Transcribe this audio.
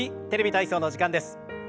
「テレビ体操」の時間です。